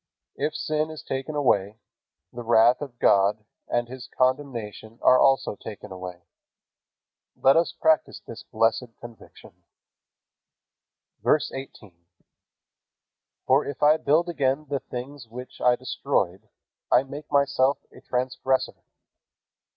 If sin is taken away, the wrath of God and His condemnation are also taken away. Let us practice this blessed conviction. VERSE 18. For if I build again the things which I destroyed, I make myself a transgressor.